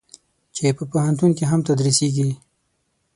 چې په پوهنتون کې هم تدریسېږي.